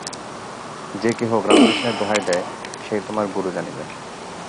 যে কেহ রামকৃষ্ণের দোহাই দেয়, সেই তোমার গুরু জানিবে।